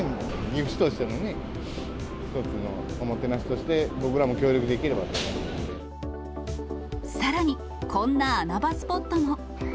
岐阜市としてもね、一つのおもてなしとして、僕らも協力できればさらに、こんな穴場スポットも。